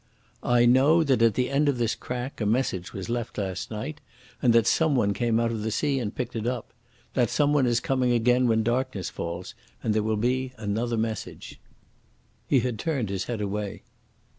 "I know that at the end of this crack a message was left last night, and that someone came out of the sea and picked it up. That someone is coming again when darkness falls, and there will be another message." He had turned his head away.